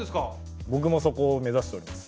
ぼくもそこを目指しております。